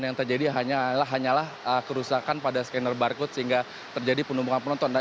yang terjadi hanyalah kerusakan pada scanner barcode sehingga terjadi penumpukan penonton